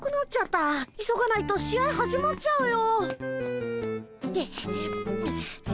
急がないと試合始まっちゃうよ。